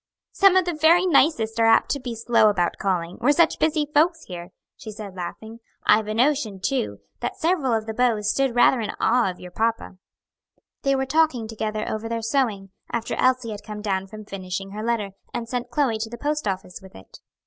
"Some of the very nicest are apt to be slow about calling we're such busy folks here," she said, laughing. "I've a notion, too, that several of the beaux stood rather in awe of your papa." They were talking together over their sewing, after Elsie had come down from finishing her letter, and sent Chloe to the post office with it.